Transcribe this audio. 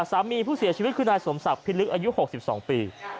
สามีผู้เสียชีวิตคือนายสมศักดิ์พิลึกอายุ๖๒ปี